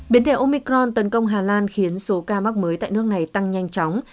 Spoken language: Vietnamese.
biến thể omicron tấn công hà lan khiến số ca mắc mới tại nước này tăng nhanh chóng